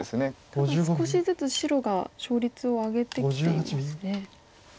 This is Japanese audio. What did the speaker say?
ただ少しずつ白が勝率を上げてきていますね。